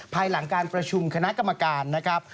ภายหลังการประชุมคณะกรรมการ